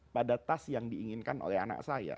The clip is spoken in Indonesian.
pada tas yang diinginkan oleh anak saya